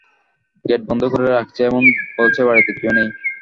Gate বন্ধ করে রাখছে এবং বলছে বাড়িতে কেউ নেই।